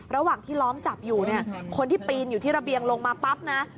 ระหว่างที่ล้อมจับอยู่เนี่ยคนที่ปีนอยู่ที่ระเบียงลงมาปั๊บนะ